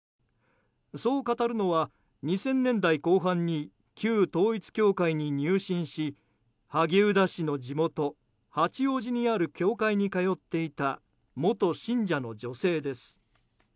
そう語るのは２０００年代後半に旧統一教会に入信し萩生田氏の地元・八王子にある教会に通っていた元信者の女性です。